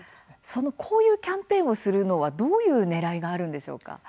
こういうキャンペーンをするのは、どういうねらいがあるんでしょうか。